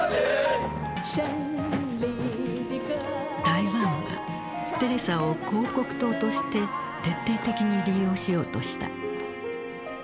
台湾はテレサを広告塔として徹底的に利用しようとした。